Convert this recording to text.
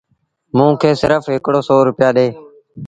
موݩ کي سرڦ هڪڙو سو روپيآ ڏي